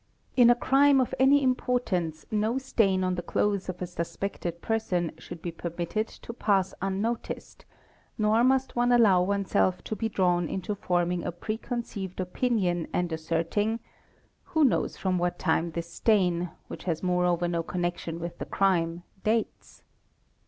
In a crime of any importance no stain on the clothes of a suspected person should be permitted to pass 'unnoticed; nor must one allow oneself to be drawn into forming a preconceived opinion and asserting: '"' who knows from what time this stain, which has moreover no connection with the crime, dates?